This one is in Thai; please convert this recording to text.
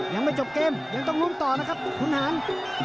ยังไม่จบเกมยังต้องลุ้นต่อนะครับคุณหาร